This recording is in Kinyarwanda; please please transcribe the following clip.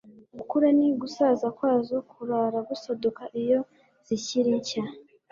Gukura ni Gusaza kwazo Kurara Gusaduka iyo zikiri nshya